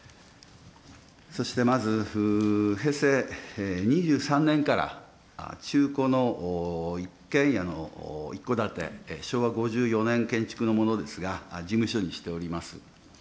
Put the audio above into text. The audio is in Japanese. そしてまず、平成２３年から中古の一軒家の一戸建て、昭和５４年建築のものですが、事務所にしております。